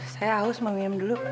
saya haus mau minum dulu